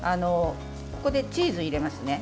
ここでチーズを入れますね。